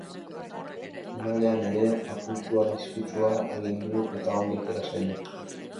Finalean ere, apustu arriskutsua egin du eta ongi atera zaio.